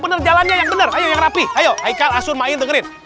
bener jalannya yang bener yang rapi ayo haikal asunmail dengerin